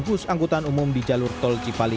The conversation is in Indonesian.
bus angkutan umum di jalur tol cipali